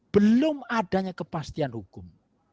belum adanya kepastian hukum